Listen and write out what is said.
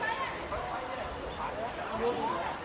สวัสดีครับ